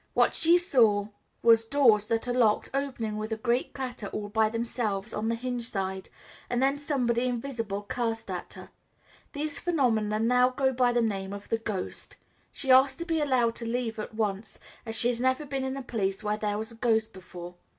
What she saw was doors that are locked opening with a great clatter all by themselves on the hingeside, and then somebody invisible cursed at her. These phenomena now go by the name of "the ghost." She asked to be allowed to leave at once, as she had never been in a place where there was a ghost before.